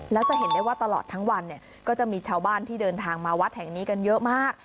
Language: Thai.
แล้วจะเห็นได้ว่าตลอดทั้งวันเนี่ยก็จะมีชาวบ้านที่เดินทางมาวัดแห่งนี้กันเยอะมาก